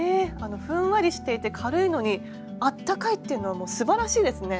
ふんわりしていて軽いのにあったかいっていうのはすばらしいですね。